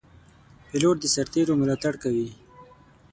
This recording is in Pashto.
پیلوټ د سرتېرو ملاتړ کوي.